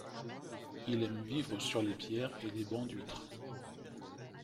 Il aime vivre sur les pierres et les bancs d'huîtres.